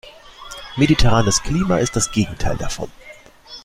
Mediterranes Klima ist das Gegenteil davon.